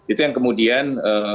itu yang kemudian